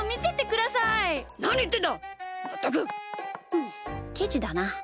ふんケチだな。